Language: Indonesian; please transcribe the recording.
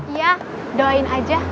iya doain aja